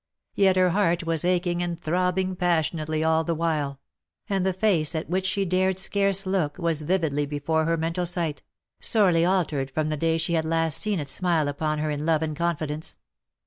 Yet her heart was aching and throbbing passionately all the while ; and the face at which she dared scarce look was vividly before her mental sight — sorely altered from the day she had last seen it smile upon her in love and confidence.